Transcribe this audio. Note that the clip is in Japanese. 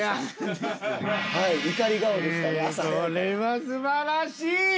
これは素晴らしい！